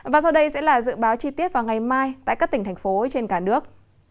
và sau đây sẽ là dự báo chi tiết vào ngày mai tại các tỉnh thành phố trên cả nước